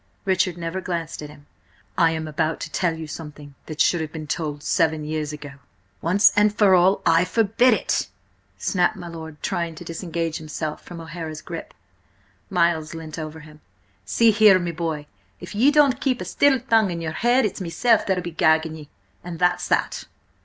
Richard never glanced at him. "I am about to tell you something that should have been told–seven years ago—" "Once and for all, I forbid it!" snapped my lord, trying to disengage himself from O'Hara's grip. Miles leant over him. "See here, me boy, if ye don't keep a still tongue in your head, its meself that'll be gagging you, and that's that!"